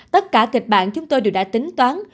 tất cả kịch bản chúng tôi đều đã tính toán